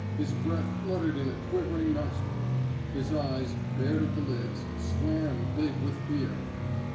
His breath fluttered in a quiver ing nostril. His eyes, bared of the lids, swam big with fear.